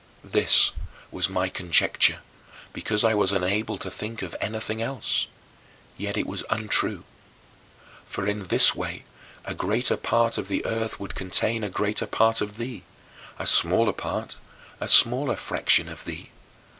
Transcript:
This was my conjecture, because I was unable to think of anything else; yet it was untrue. For in this way a greater part of the earth would contain a greater part of thee; a smaller part, a smaller fraction of thee.